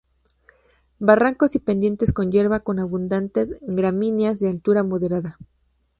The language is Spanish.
Barrancos y pendientes con hierba, con abundantes gramíneas de altura moderada.